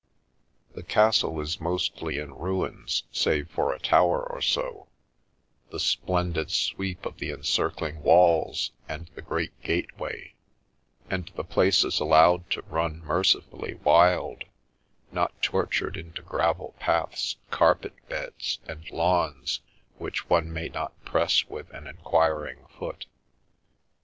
The castle is mostly in ruins save for a tower or so, the splendid sweep of the encircling walls and the great gateway; and the place is allowed to run mercifully wild, not tortured into gravel paths, carpet beds, and lawns which one may not press with an enquiring foot.